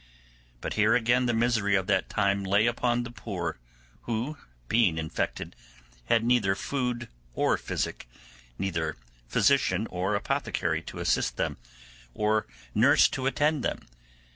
But here again the misery of that time lay upon the poor who, being infected, had neither food or physic, neither physician or apothecary to assist them, or nurse to attend them.